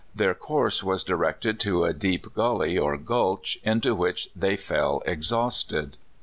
Their course was directed to a deep gully, or gulch, into which they fell exhausted.